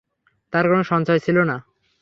তার কোন সঞ্চয় ছিল না।